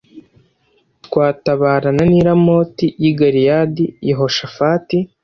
twatabarana n i Ramoti y i Galeyadi Yehoshafati